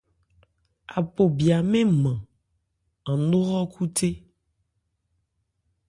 Apo bya mɛ́n nman an nó hrɔ́khúthé.